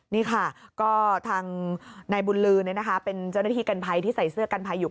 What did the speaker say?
นี่ค่ะก็ทางนายบุญลือเป็นเจ้าหน้าที่กันภัยที่ใส่เสื้อกันภัยอยู่